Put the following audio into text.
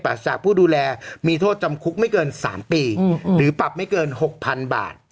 จากผู้ดูแลมีโทษจำคุกไม่เกิน๓ปีหรือปรับไม่เกิน๖๐๐๐บาท